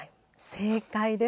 正解です。